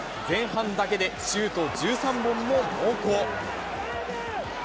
前半だけでシュート１３本の猛攻。